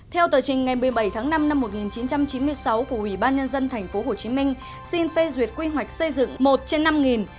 theo tờ trình ngày một mươi bảy tháng năm năm một nghìn chín trăm chín mươi sáu của ủy ban nhân dân tp hcm xin phê duyệt quy hoạch xây dựng một trên năm